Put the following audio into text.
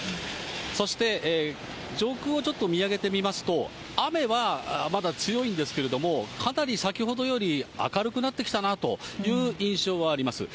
そして、上空をちょっと見上げてみますと、雨はまだ強いんですけれども、かなり、先ほどより明るくなってきたなという印象はあります。